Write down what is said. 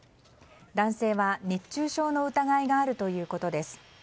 男性は、熱中症の疑いがあるということです。